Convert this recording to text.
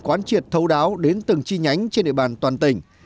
quán triệt thấu đáo đến từng chi nhánh trên địa bàn toàn tỉnh